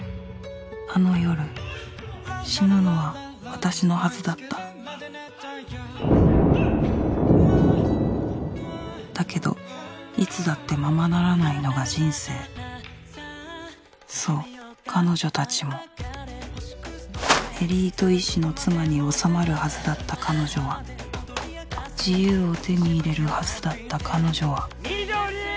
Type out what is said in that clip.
あの夜死ぬのは私のはずだっただけどいつだってままならないのが人生そう彼女たちもエリート医師の妻におさまるはずだった彼女は自由を手に入れるはずだった彼女は翠！！